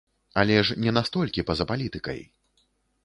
Але ж не настолькі па-за палітыкай.